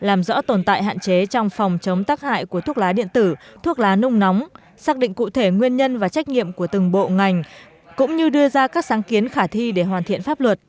làm rõ tồn tại hạn chế trong phòng chống tác hại của thuốc lá điện tử thuốc lá nung nóng xác định cụ thể nguyên nhân và trách nhiệm của từng bộ ngành cũng như đưa ra các sáng kiến khả thi để hoàn thiện pháp luật